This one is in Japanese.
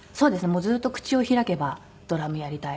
もうずっと口を開けば「ドラムやりたい。